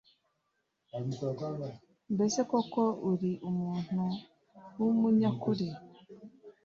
mbese koko uri umuntu w’umunyakuri